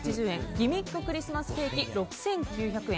ギミッククリスマスケーキ６９００円。